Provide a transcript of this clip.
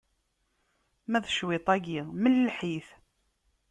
Ma d cwiṭ-agi, melleḥ-it!